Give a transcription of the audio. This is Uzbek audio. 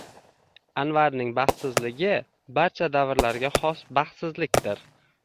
Anvarning baxtsizligi – barcha davrlarga xos baxtsizlikdir.